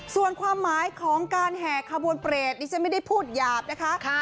ส่วนความหมายของการแห่ขบวนเปรตดิฉันไม่ได้พูดหยาบนะคะ